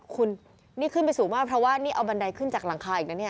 คุณนี่ขึ้นไปสูงมากเพราะว่านี่เอาบันไดขึ้นจากหลังคาอีกนะเนี่ย